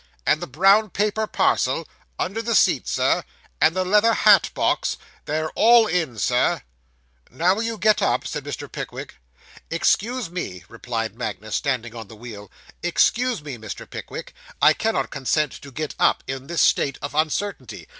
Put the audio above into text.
'And the brown paper parcel?' 'Under the seat, Sir.' 'And the leather hat box?' 'They're all in, Sir.' 'Now, will you get up?' said Mr. Pickwick. 'Excuse me,' replied Magnus, standing on the wheel. 'Excuse me, Mr. Pickwick. I cannot consent to get up, in this state of uncertainty.